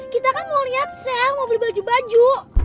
kita kan mau lihat saya mau beli baju baju